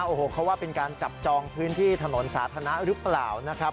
โอ้โหเขาว่าเป็นการจับจองพื้นที่ถนนสาธารณะหรือเปล่านะครับ